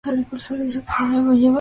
Agradece que se le lleve a pasear.